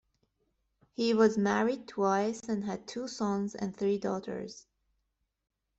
He was married twice and had two sons and three daughters.